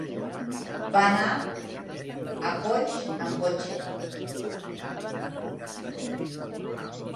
Va anar a Coix amb cotxe.